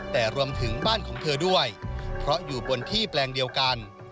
แต่รวมถึงบ้านของเธอด้วยเพราะอยู่บนที่แปลงเดียวกัน